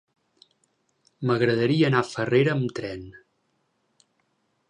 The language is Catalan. M'agradaria anar a Farrera amb tren.